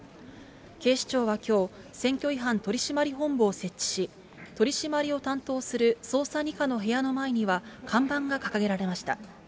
警視庁はきょう、選挙違反取締本部を設置し、取締りを担当する捜査２課の部屋の前には、看板が掲げられました。